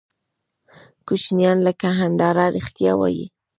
کوچنیان لکه هنداره رښتیا وایي.